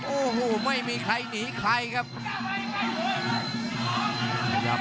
โอ้โหไม่มีใครหนีใครครับ